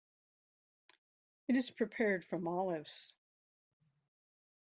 It is prepared from olives.